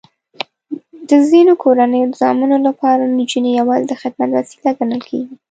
د ځینو کورنیو د زامنو لپاره نجونې یواځې د خدمت وسیله ګڼل کېږي.